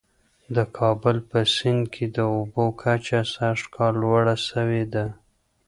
د کابل په سیند کي د اوبو کچه سږ کال لوړه سوې ده.